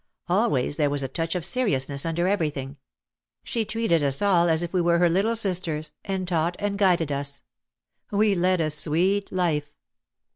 Always there was a touch of seriousness under everything. She treated us all as if we were her little sisters, and taught and guided us. We led a sweet life.